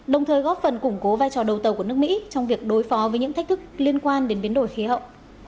đồng thời góp phần củng cố vai trò đầu tàu của nước mỹ trong việc đối phó với những thách thức liên quan đến biến đổi khí hậu